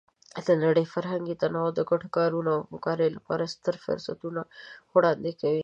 د نړۍ فرهنګي تنوع د ګډو کارونو او همکارۍ لپاره ستر فرصتونه وړاندې کوي.